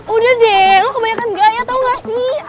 udah deh lo kebanyakan gaya tau gak sih